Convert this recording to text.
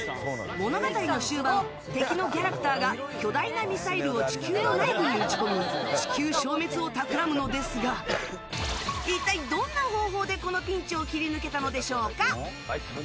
物語の終盤敵のギャラクターが巨大なミサイルを地球の内部に撃ち込み地球消滅をたくらむのですが一体どんな方法で、このピンチを切り抜けたのでしょうか。